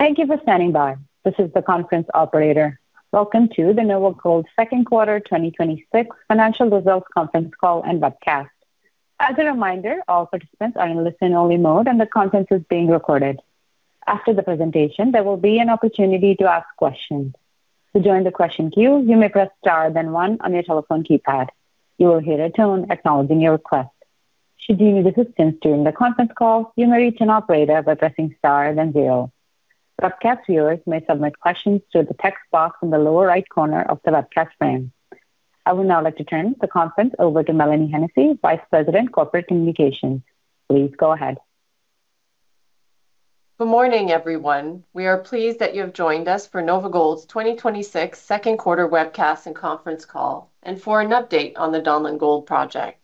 Thank you for standing by. This is the conference operator. Welcome to the NOVAGOLD second quarter 2026 financial results conference call and webcast. As a reminder, all participants are in listen-only mode and the conference is being recorded. After the presentation, there will be an opportunity to ask questions. To join the question queue, you may press star then one on your telephone keypad. You will hear a tone acknowledging your request. Should you need assistance during the conference call, you may reach an operator by pressing star then zero. Webcast viewers may submit questions through the text box in the lower right corner of the webcast frame. I would now like to turn the conference over to Mélanie Hennessey, Vice President, Corporate Communications. Please go ahead. Good morning everyone. We are pleased that you have joined us for NOVAGOLD's 2026 second quarter webcast and conference call and for an update on the Donlin Gold project.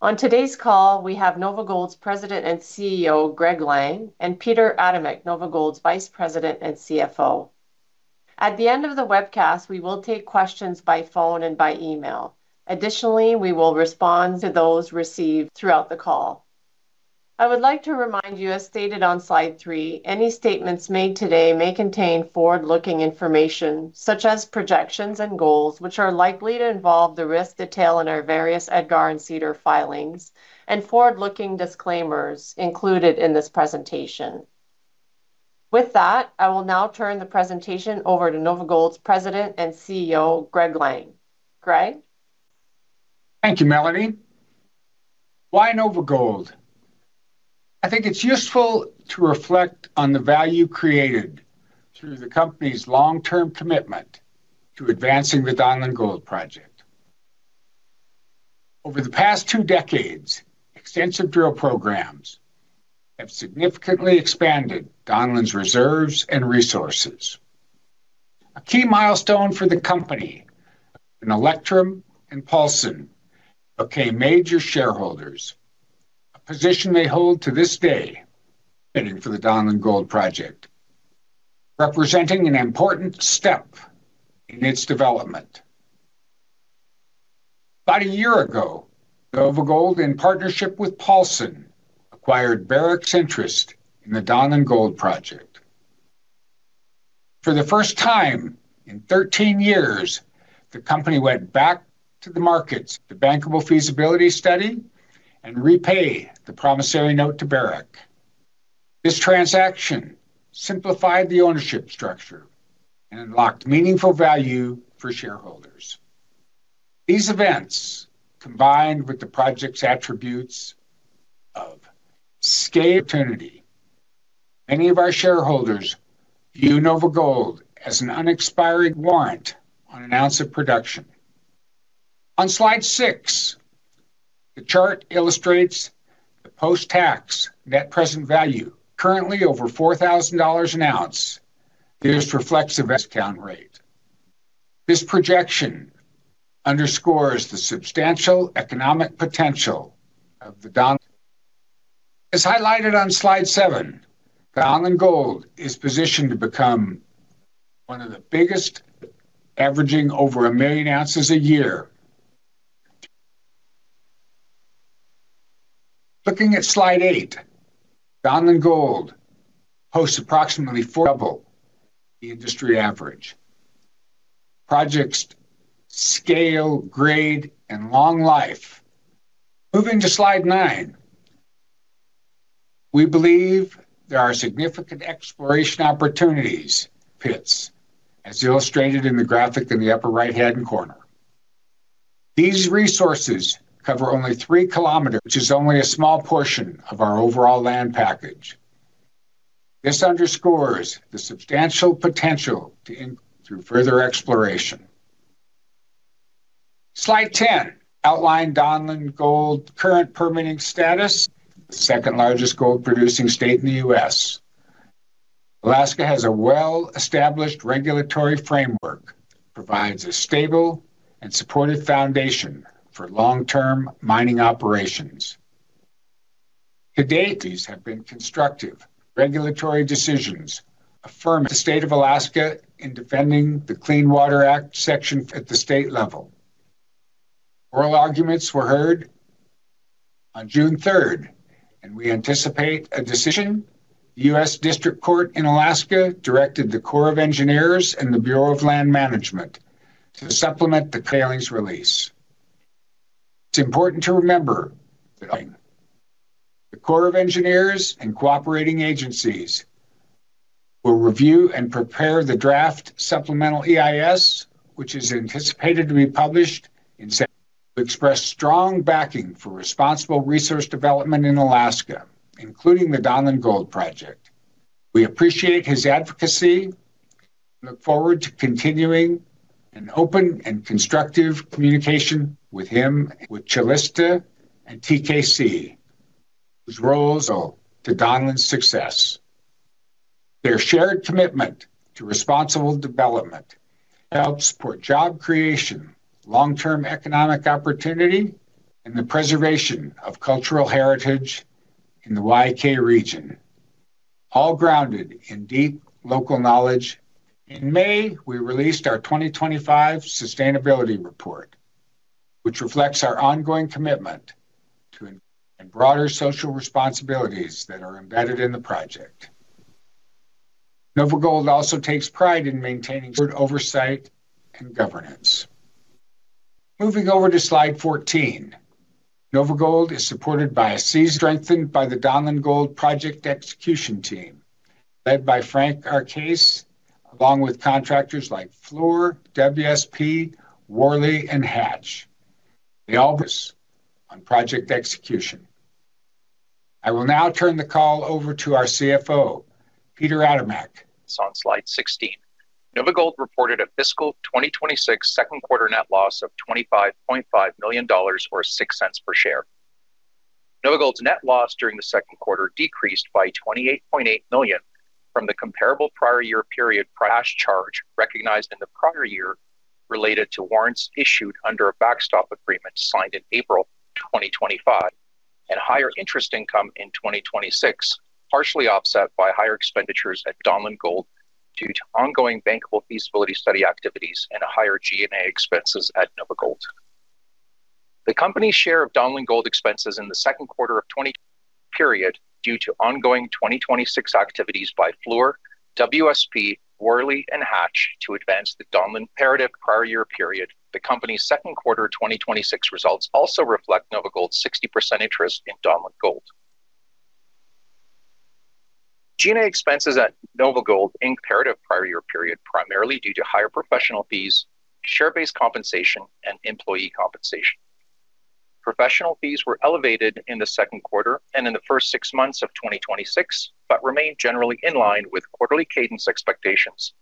On today's call, we have NOVAGOLD's President and CEO, Greg Lang, and Peter Adamek, NOVAGOLD's Vice President and CFO. At the end of the webcast, we will take questions by phone and by email. Additionally, we will respond to those received throughout the call. I would like to remind you, as stated on slide three, any statements made today may contain forward-looking information such as projections and goals, which are likely to involve the risk detail in our various EDGAR and SEDAR filings and forward-looking disclaimers included in this presentation. With that, I will now turn the presentation over to NOVAGOLD's President and CEO, Greg Lang. Greg? Thank you, Mélanie. Why NOVAGOLD? I think it's useful to reflect on the value created through the company's long-term commitment to advancing the Donlin Gold project. Over the past two decades, extensive drill programs have significantly expanded Donlin's reserves and resources. A key milestone for the company when Electrum and Paulson became major shareholders, a position they hold to this day, fighting for the Donlin Gold project, representing an important step in its development. About a year ago, NOVAGOLD, in partnership with Paulson, acquired Barrick's interest in the Donlin Gold project. For the first time in 13 years, the company went back to the markets with a Bankable Feasibility Study and repay the promissory note to Barrick Gold U.S. Inc.. This transaction simplified the ownership structure and unlocked meaningful value for shareholders. These events, combined with the project's attributes of scale opportunity, many of our shareholders view NOVAGOLD as an unexpired warrant on an ounce of production. On slide six, the chart illustrates the post-tax net present value, currently over 4,000 dollars an ounce. This reflects the discount rate. This projection underscores the substantial economic potential of the Donlin Gold. As highlighted on slide seven, Donlin Gold is positioned to become one of the biggest, averaging over one million ounces a year. Looking at slide eight, Donlin Gold hosts approximately four double the industry average. Project's scale, grade, and long life. Moving to slide nine, we believe there are significant exploration opportunities pits, as illustrated in the graphic in the upper right-hand corner. These resources cover only 3 kms, which is only a small portion of our overall land package. This underscores the substantial potential to increase through further exploration. Slide 10 outline Donlin Gold current permitting status. The second largest gold producing state in the U.S. Alaska has a well-established regulatory framework, provides a stable and supportive foundation for long-term mining operations. To date, these have been constructive regulatory decisions affirming the state of Alaska in defending the Clean Water Act section at the state level. Oral arguments were heard on June 3rd, we anticipate a decision. The U.S. District Court in Alaska directed the U.S. Army Corps of Engineers and the Bureau of Land Management to supplement the final EIS release. It's important to remember that the Corps of Engineers and cooperating agencies will review and prepare the draft supplemental EIS, which is anticipated to be published in September. He expressed strong backing for responsible resource development in Alaska, including the Donlin Gold project. We appreciate his advocacy and look forward to continuing an open and constructive communication with him, with Calista Corporation, and TKC, whose roles to Donlin's success. Their shared commitment to responsible development helps support job creation, long-term economic opportunity, and the preservation of cultural heritage in the YK region, all grounded in deep local knowledge. In May, we released our 2025 sustainability report, which reflects our ongoing commitment to, and broader social responsibilities that are embedded in the project. NOVAGOLD also takes pride in maintaining board oversight and governance. Moving over to slide 14. NOVAGOLD is supported by a seasoned, strengthened by the Donlin Gold project execution team led by Frank Arcese, along with contractors like Fluor Corporation, WSP, Worley and Hatch. They all focus on project execution. I will now turn the call over to our CFO, Peter Adamek. It's on slide 16. NOVAGOLD reported a fiscal 2026 second quarter net loss of 25.5 million dollars, or 0.06 per share. NOVAGOLD's net loss during the second quarter decreased by 28.8 million from the comparable prior year period charge recognized in the prior year related to warrants issued under a backstop agreement signed in April 2025, and higher interest income in 2026, partially offset by higher expenditures at Donlin Gold due to ongoing bankable feasibility study activities and higher G&A expenses at NOVAGOLD. The company's share of Donlin Gold expenses in the second quarter period, due to ongoing 2026 activities by Fluor Corporation, WSP, Worley and Hatch to advance the Donlin Gold comparative prior year period. The company's second quarter 2026 results also reflect NOVAGOLD's 60% interest in Donlin Gold. G&A expenses at NOVAGOLD increased comparative to prior year period, primarily due to higher professional fees, share-based compensation and employee compensation. Professional fees were elevated in the second quarter and in the first six months of 2026, but remained generally in line with quarterly cadence expectations.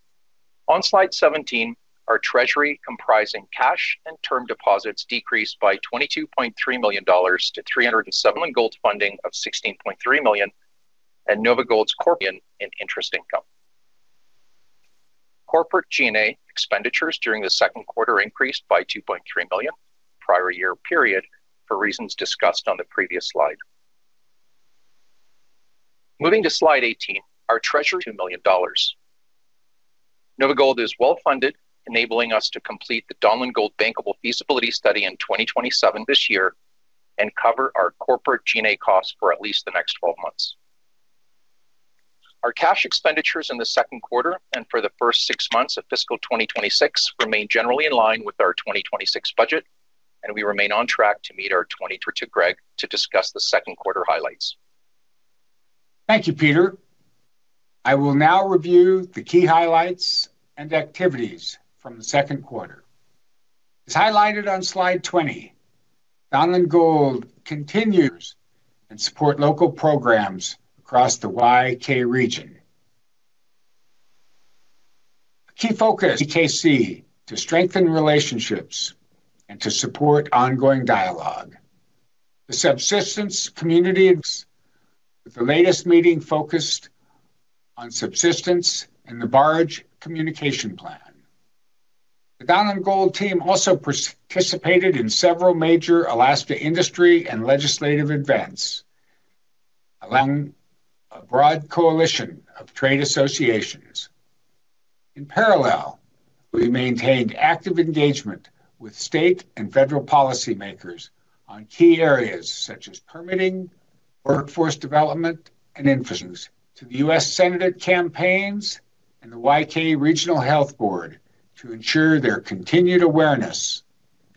On slide 17, our treasury comprising cash and term deposits decreased by 22.3 million dollars. Donlin Gold's funding of 16.3 million and NOVAGOLD's core gain in interest income. Corporate G&A expenditures during the second quarter increased by 2.3 million the prior year period, for reasons discussed on the previous slide. Moving to slide 18, our treasury is 2 million dollars. NOVAGOLD is well-funded, enabling us to complete the Donlin Gold bankable feasibility study in 2027 this year and cover our corporate G&A costs for at least the next 12 months. Our cash expenditures in the second quarter and for the first six months of fiscal 2026 remain generally in line with our 2026 budget, and we remain on track to meet our. To Greg to discuss the second quarter highlights. Thank you, Peter. I will now review the key highlights and activities from the second quarter. As highlighted on slide 20, Donlin Gold continues and support local programs across the YK region. A key focus, TKC, to strengthen relationships and to support ongoing dialogue. The subsistence community events, with the latest meeting focused on subsistence and the barge communication plan. The Donlin Gold team also participated in several major Alaska industry and legislative events, allowing a broad coalition of trade associations. In parallel, we maintained active engagement with state and federal policymakers on key areas such as permitting, workforce development and infrastructure. To the U.S. Senate campaigns and the YK Regional Health Board to ensure their continued awareness.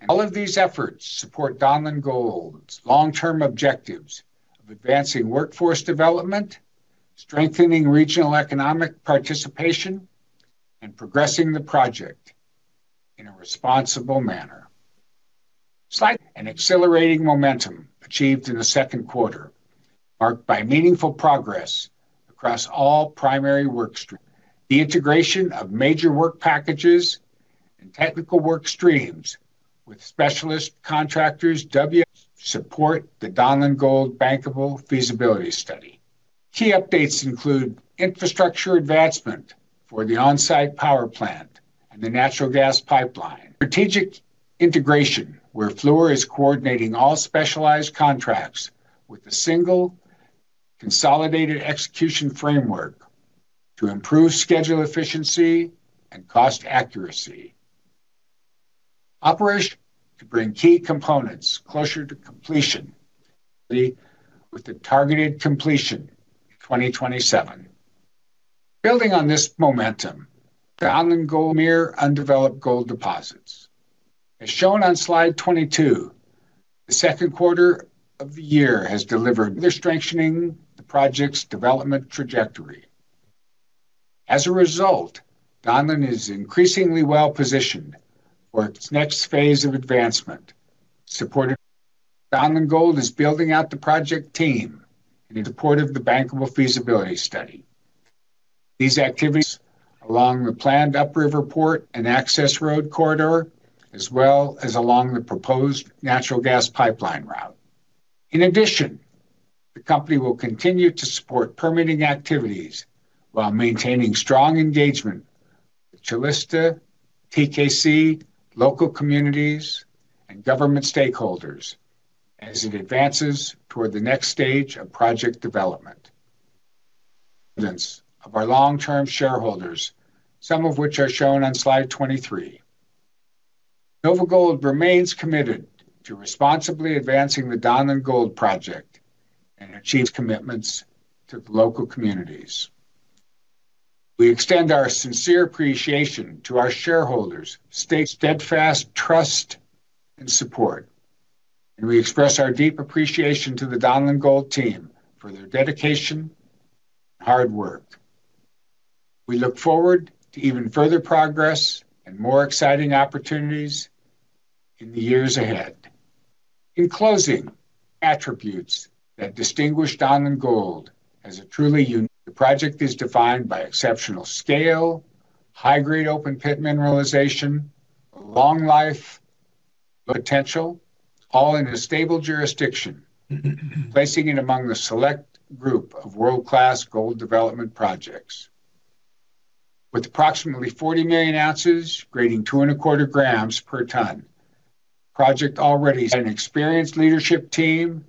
All of these efforts support Donlin Gold's long-term objectives of advancing workforce development, strengthening regional economic participation, and progressing the project in a responsible manner. An accelerating momentum achieved in the second quarter, marked by meaningful progress across all primary work streams. The integration of major work packages and technical work streams with specialist contractors support the Donlin Gold bankable feasibility study. Key updates include infrastructure advancement for the on-site power plant and the natural gas pipeline. Strategic integration, where Fluor Corporation is coordinating all specialized contracts with a single consolidated execution framework to improve schedule efficiency and cost accuracy. Operations to bring key components closer to completion, with the targeted completion in 2027. Building on this momentum, Donlin Gold near undeveloped gold deposits. As shown on slide 22, the second quarter of the year has delivered further strengthening the project's development trajectory. As a result, Donlin Gold is increasingly well-positioned for its next phase of advancement. Donlin Gold is building out the project team in support of the bankable feasibility study. These activities along the planned Upriver Port and access road corridor, as well as along the proposed natural gas pipeline route. In addition, the company will continue to support permitting activities while maintaining strong engagement with Calista, TKC, local communities and government stakeholders as it advances toward the next stage of project development. Of our long-term shareholders, some of which are shown on slide 23. NOVAGOLD remains committed to responsibly advancing the Donlin Gold project and achieve commitments to the local communities. We extend our sincere appreciation to our shareholders, states' steadfast trust and support, and we express our deep appreciation to the Donlin Gold team for their dedication and hard work. We look forward to even further progress and more exciting opportunities in the years ahead. In closing, attributes that distinguish Donlin Gold as a truly unique project is defined by exceptional scale, high-grade open pit mineralization, long life potential, all in a stable jurisdiction, placing it among the select group of world-class gold development projects. With approximately 40 million ounces grading two and a quarter grams per ton, project already has an experienced leadership team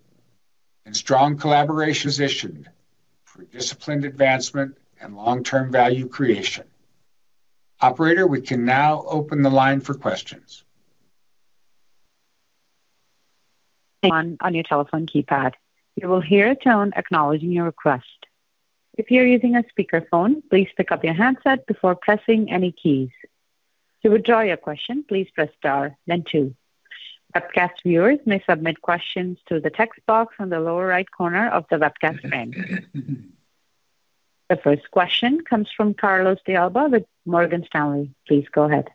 and strong collaboration positioned for disciplined advancement and long-term value creation. Operator, we can now open the line for questions. One on your telephone keypad. You will hear a tone acknowledging your request. If you're using a speakerphone, please pick up your handset before pressing any keys. To withdraw your question, please press star then two. Webcast viewers may submit questions through the text box on the lower right corner of the webcast screen. The first question comes from Carlos de Alba with Morgan Stanley. Please go ahead.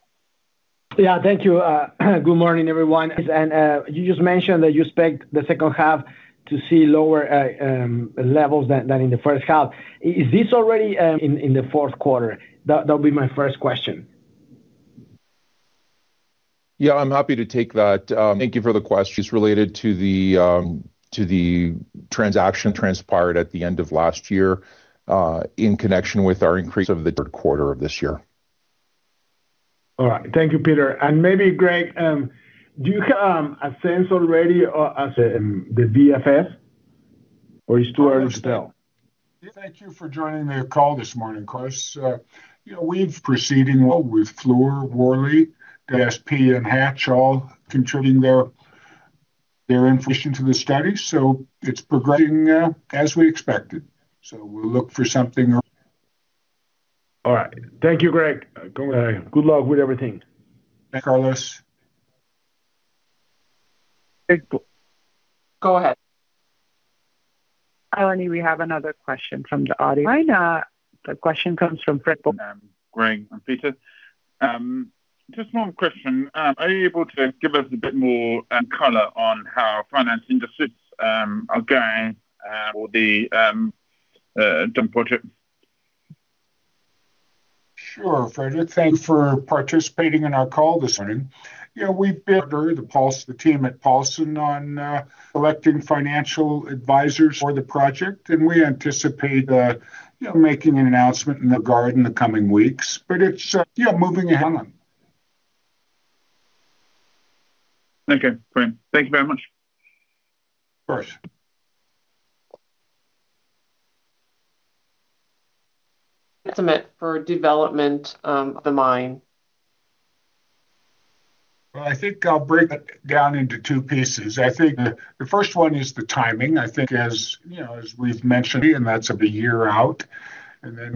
Yeah, thank you. Good morning, everyone. You just mentioned that you expect the second half to see lower levels than in the first half. Is this already in the fourth quarter? That would be my first question. Yeah, I'm happy to take that. Thank you for the question. It's related to the transaction transpired at the end of last year, in connection with our increase of the third quarter of this year. All right. Thank you, Peter. Maybe Greg, do you have a sense already of the BFS or it's too early to tell? Thank you for joining the call this morning, Carlos. We're proceeding well with Fluor Gold, Worley, WSP and Hatch all contributing their information to the study. It's progressing as we expected. We'll look for something early. All right. Thank you, Greg. Good luck with everything. Thanks, Carlos. Go ahead. Mélanie, we have another question from the audience. The question comes from Frederik. Greg and Peter. Just one question. Are you able to give us a bit more color on how financing decisions are going for the Donlin Gold project? Sure, Frederick. Thanks for participating in our call this morning. We've been working the team at Paulson on selecting financial advisors for the project, and we anticipate making an announcement in regard in the coming weeks. It's moving ahead. Okay, great. Thank you very much. Of course. Estimate for development of the mine. I think I'll break it down into two pieces. I think the first one is the timing. I think as we've mentioned, that's of a year out,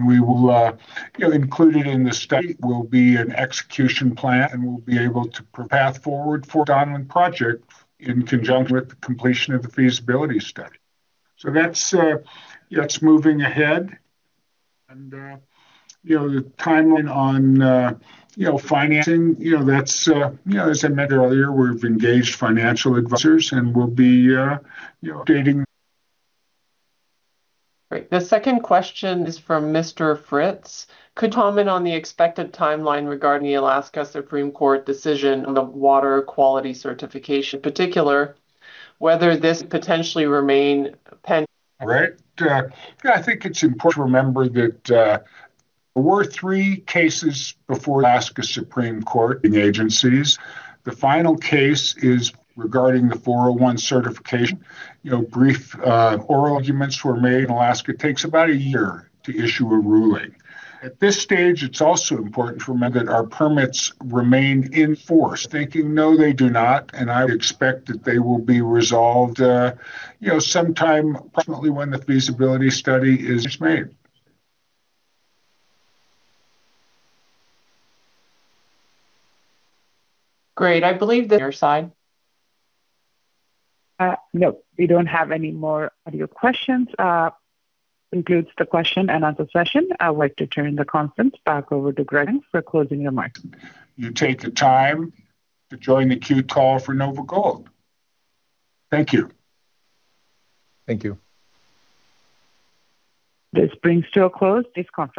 we will, included in the study will be an execution plan, and we'll be able to prepare a path forward for Donlin Gold project in conjunction with the completion of the feasibility study. That's moving ahead. The timeline on financing, as I mentioned earlier, we've engaged financial advisors and we'll be updating. Great. The second question is from Mr. Fritz. Could you comment on the expected timeline regarding the Alaska Supreme Court decision on the water quality certification? In particular, whether this potentially remain. Right. Yeah, I think it's important to remember that there were three cases before Alaska Supreme Court agencies. The final case is regarding the Section 401 certification. Brief oral arguments were made. Alaska takes about a year to issue a ruling. At this stage, it's also important to remember that our permits remain in force. Thinking, no, they do not, and I would expect that they will be resolved sometime probably when the feasibility study is made. Great. I believe that your side. No, we don't have any more audio questions. This concludes the question and answer session. I would like to turn the conference back over to Greg for closing remarks. Thank you for taking the time to join the Q call for NOVAGOLD. Thank you. Thank you. This brings to a close this conference.